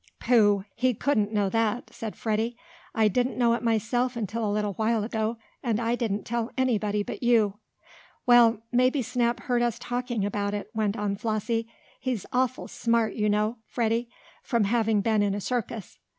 "Pooh. He couldn't know that," said Freddie. "I didn't know it myself until a little while ago, and I didn't tell anybody but you." "Well, maybe Snap heard us talking about it," went on Flossie. "He's awful smart, you know, Freddie, from having been in a circus."